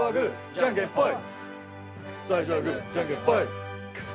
じゃんけんほい。